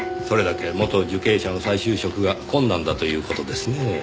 それだけ元受刑者の再就職が困難だという事ですねぇ。